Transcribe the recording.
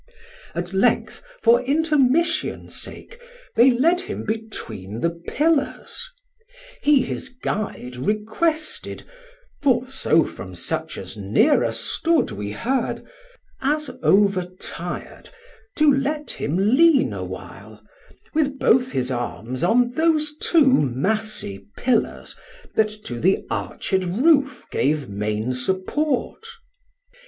At length for intermission sake they led him Between the pillars; he his guide requested 1630 (For so from such as nearer stood we heard) As over tir'd to let him lean a while With both his arms on those two massie Pillars That to the arched roof gave main support.